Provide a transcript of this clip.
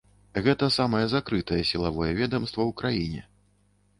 Гэта самае закрытае сілавое ведамства ў краіне.